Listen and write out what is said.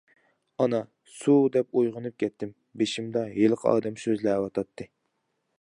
ئانا، سۇ، دەپ ئويغىنىپ كەتتىم، بېشىمدا ھېلىقى ئادەم سۆزلەۋاتاتتى.